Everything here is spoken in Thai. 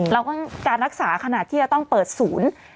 แล้วก็การรักษาขนาดที่จะต้องเปิดศูนย์